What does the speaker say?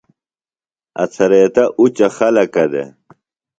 اڅھریتہ اُچہ خلَکہ دےۡ